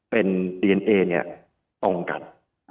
เป็นดีเนอีตรงกัน